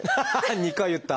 ２回言った！